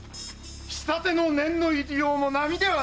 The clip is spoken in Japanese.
仕立ての念の入りようも並ではない！